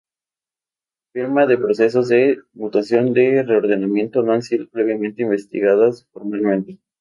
Las firmas de procesos de mutación de reordenamiento no han sido previamente investigadas formalmente.